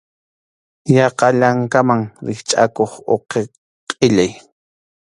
Yaqa llankaman rikchʼakuq uqi qʼillay.